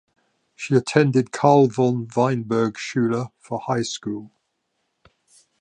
She attended Carl von Weinberg Schule for high school.